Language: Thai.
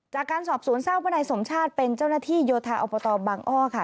จากการสอบสวนทราบว่านายสมชาติเป็นเจ้าหน้าที่โยธาอบตบังอ้อค่ะ